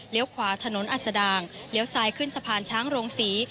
ขวาถนนอัศดางเลี้ยวซ้ายขึ้นสะพานช้างโรงศรี